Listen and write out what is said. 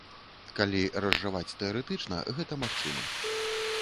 Калі разважаць тэарэтычна, гэта магчыма.